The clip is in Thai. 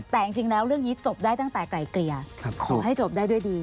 แต่จริงแล้วเรื่องนี้จบได้ตั้งแต่ไกลเกลี่ยขอให้จบได้ด้วยดี